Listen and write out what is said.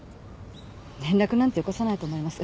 連絡なんてよこさないと思います。